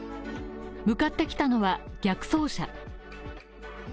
向かってきたのは、逆走車。